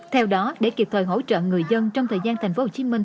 theo đó để kịp thời hỗ trợ người dân trong thời gian thành phố hồ chí minh